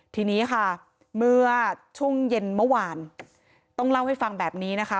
ทีนี้ค่ะเมื่อช่วงเย็นเมื่อวานต้องเล่าให้ฟังแบบนี้นะคะ